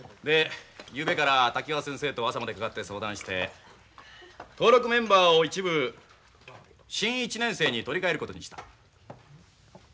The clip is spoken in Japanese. でゆうべから滝川先生と朝までかかって相談して登録メンバーを一部新１年生に取り替えることにした。